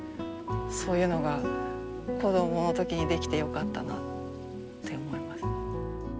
そういうのが子どものときにできてよかったなあって思います。